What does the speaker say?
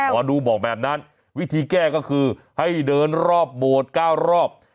หมอดูบอกแบบนั้นวิธีแก้ก็คือให้เดินรอบโบสถ์๙รอบ